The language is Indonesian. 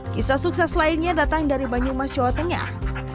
kisah sukses lainnya datang dari banyumas jawa tengah